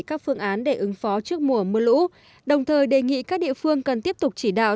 các phương án để ứng phó trước mùa mưa lũ đồng thời đề nghị các địa phương cần tiếp tục chỉ đạo